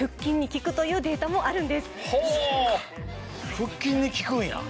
腹筋に効くんや。